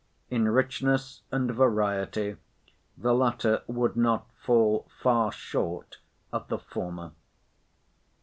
In richness and variety the latter would not fall far short of the former.